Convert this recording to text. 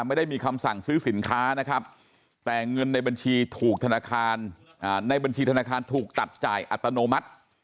ไม่ได้มีคำสั่งซื้อสินค้านะครับแต่เงินในบัญชีถูกธนาคารในบัญชีธนาคารถูกตัดจ่ายอัตโนมัติ